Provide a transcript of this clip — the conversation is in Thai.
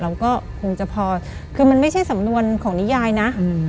เราก็คงจะพอคือมันไม่ใช่สำนวนของนิยายนะ